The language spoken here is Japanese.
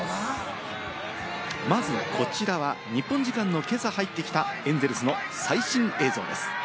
まず、こちらは日本時間の今朝、入ってきたエンゼルスの最新映像です。